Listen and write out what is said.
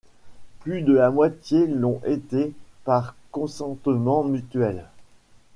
Plus de la moitié l’ont été par consentement mutuel.